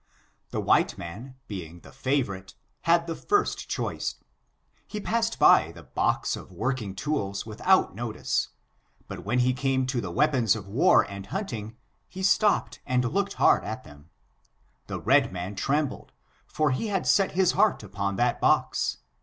The white man, being the favorite, had the first choice. He passed by the box of woridng tools with out notice ; but when he came to the weapons of war and hunting, he stopped and looked haxd at them. The red man trembled, for be had set his heart upon that box.